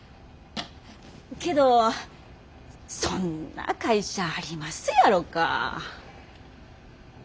けどそんな会社ありますやろか？